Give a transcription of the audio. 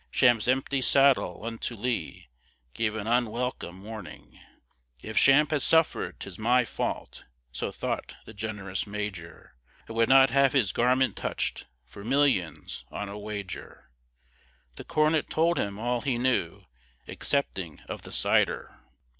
Champe's empty saddle, unto Lee, Gave an unwelcome warning. "If Champe has suffered, 'tis my fault;" So thought the generous major; "I would not have his garment touch'd For millions on a wager!" The cornet told him all he knew, Excepting of the cider.